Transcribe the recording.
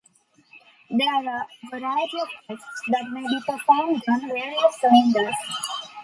There are a variety of tests that may be performed on various cylinders.